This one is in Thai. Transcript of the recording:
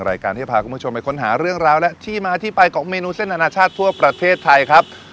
รายการที่จะพาคุณผู้ชมไปค้นหาเรื่องราวและที่มาที่ไปของเมนูเส้นอนาชาติทั่วประเทศไทยครับ